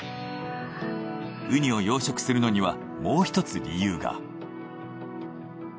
ウニを養殖するのにはもう一つ理由が。